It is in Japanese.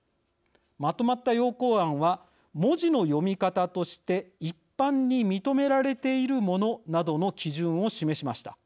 まとまった要綱案は文字の読み方として一般に認められているものなどの基準を示しました。